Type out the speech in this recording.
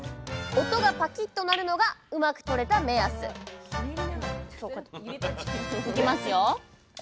音がパキッと鳴るのがうまくとれた目安いきますよ。